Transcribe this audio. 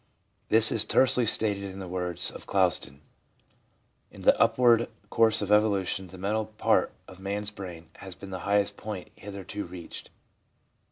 This is tersely stated in the words of Clouston :' In the upward course of evolution the mental part of man's brain has been the highest point hitherto reached.